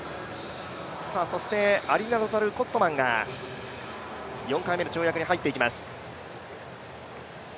そしてアリナ・ロタルコットマンが４回目の跳躍に入っていきます。